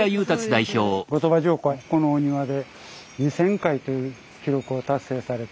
後鳥羽上皇はこのお庭で２，０００回という記録を達成されています。